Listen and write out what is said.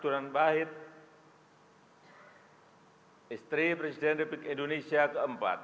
ibu surya suranbahit istri presiden republik indonesia ke empat